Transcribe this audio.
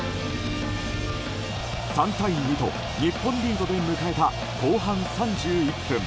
３対２と日本リードで迎えた後半３１分。